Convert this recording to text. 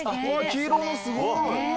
黄色のすごい。